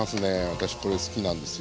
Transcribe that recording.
私これ好きなんですよ。